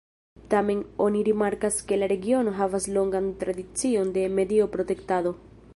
Tamen oni rimarkas ke la regiono havas longan tradicion de medio-protektado.